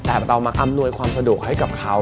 แต่เรามาอำนวยความสะดวกให้กับเขา